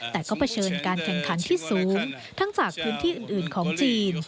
แต่ก็เผชิญการแข่งขันที่สูงทั้งจากพื้นที่อื่นของจีน